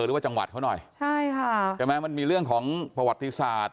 หรือว่าจังหวัดเขาหน่อยใช่ค่ะใช่ไหมมันมีเรื่องของประวัติศาสตร์